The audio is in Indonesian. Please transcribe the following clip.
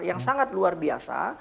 yang sangat luar biasa